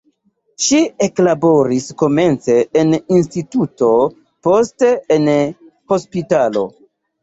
Ŝi eklaboris komence en instituto, poste en hospitalo.